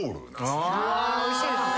おいしいですね。